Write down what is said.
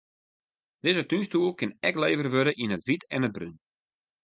Dizze túnstoel kin ek levere wurde yn it wyt en it brún.